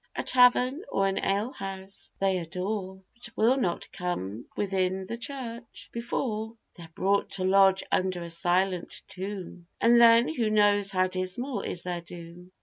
A tavern, or an alehouse, they adore, And will not come within the church before They're brought to lodge under a silent tomb, And then who knows how dismal is their doom!